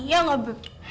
iya nggak beb